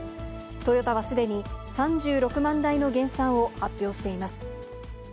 トヨタはすでに３６万台の減産を発表しています。